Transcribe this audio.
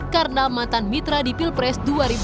karena mantan mitra di pilpres dua ribu sembilan belas